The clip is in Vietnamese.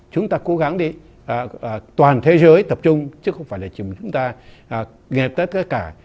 chúng ta cố gắng đi toàn thế giới tập trung chứ không phải là chúng ta nghiệp tất cả